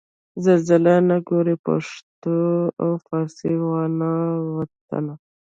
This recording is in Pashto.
زلزلې نه ګوري پښتون او فارسي وان وطنه